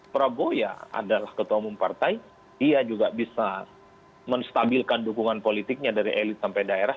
prabowo ya adalah ketua umum partai dia juga bisa menstabilkan dukungan politiknya dari elit sampai daerah